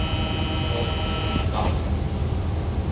ওহ, বাহ।